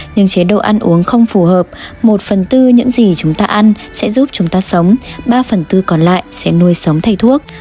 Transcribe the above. nhưng chế độ ăn uống không phù hợp một phần tư những gì chúng ta ăn sẽ giúp chúng ta sống ba phần tư còn lại sẽ nuôi sống thay thuốc